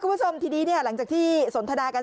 คุณผู้ชมที่นี่หลังจากที่สนธดาก็เสร็จแล้ว